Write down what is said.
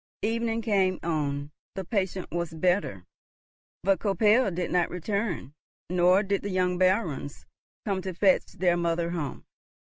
Evening came on, the patient was better, but Koppel did not return, nor did the young Barons come to fetch their mother home.